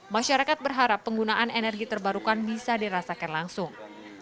masyarakat berharap penggunaan energi terbarukan bisa dirasakan langsung